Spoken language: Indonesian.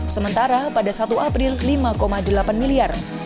sementara pada satu april lima delapan miliar